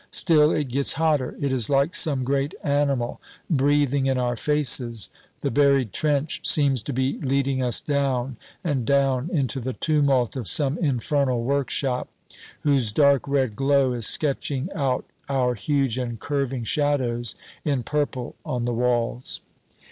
Still it gets hotter; it is like some great animal breathing in our faces. The buried trench seems to be leading us down and down into the tumult of some infernal workshop, whose dark red glow is sketching out our huge and curving shadows in purple on the walls.